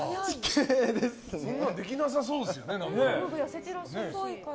そんなのできなそうですよね。